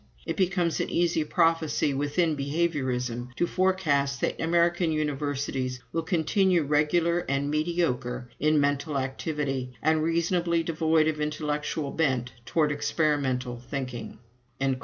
It becomes an easy prophecy within behaviorism to forecast that American universities will continue regular and mediocre in mental activity and reasonably devoid of intellectual bent toward experimental thinking."